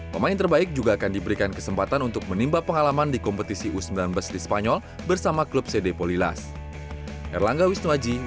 pemain terbaik juga akan diberikan kesempatan untuk menimba pengalaman di kompetisi u sembilan belas di spanyol bersama klub cd polilas